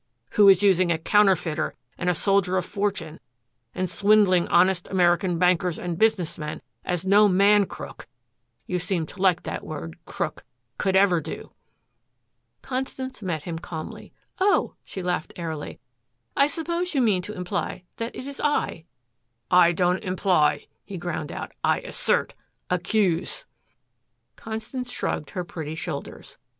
Who is using a counterfeiter and a soldier of fortune and swindling honest American bankers and business men as no man crook you seem to like that word crook could ever do?" Constance met him calmly. "Oh," she laughed airily, "I suppose you mean to imply that it is I." "I don't imply," he ground out, "I assert accuse." Constance shrugged her pretty shoulders.